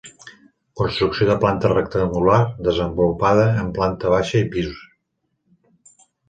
Construcció de planta rectangular desenvolupada en planta baixa i pis.